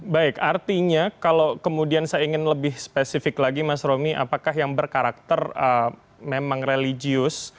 baik artinya kalau kemudian saya ingin lebih spesifik lagi mas romy apakah yang berkarakter memang religius